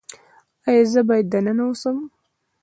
ایا زه باید دننه اوسم؟